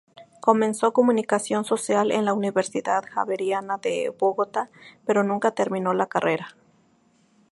Comenzó comunicación social en la Universidad Javeriana de Bogotá, pero nunca terminó la carrera.